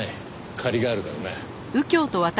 借りがあるからな。